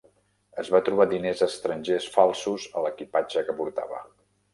Es va trobar diners estrangers falsos a l'equipatge que portava.